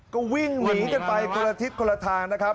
ก็วิ่งหนีกันไปคนละทิศคนละทางนะครับ